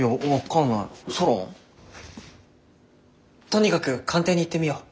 とにかく官邸に行ってみよう。